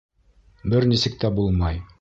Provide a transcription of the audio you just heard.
Бер нисек тә булмай!